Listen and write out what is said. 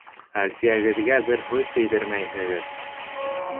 Ә Әлфиәгеҙгә бер һүҙ тейҙермәйһегеҙ!..